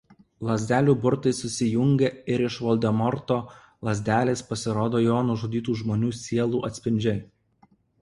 Lazdelių burtai susijungia ir iš Voldemorto lazdelės pasirodo jo nužudytų žmonių sielų atspindžiai.